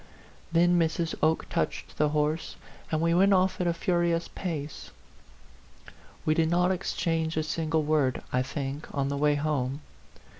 Then Mrs. Oke touched the horse, and we went off at a furious pace. We did not exchange a single word, I think, on the way home.